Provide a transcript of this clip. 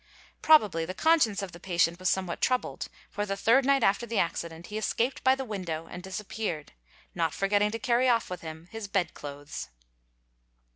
Probably the conscience of the patient was somewhat troubled, for, the third night after the acei dent, he escaped by the window and disappeared—not forgetting to carry off with him his bed clothes.